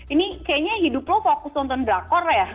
ini kayaknya hidup lo fokus nonton drakor ya